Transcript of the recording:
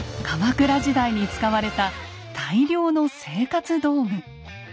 鎌倉時代に使われた大量の生活道具。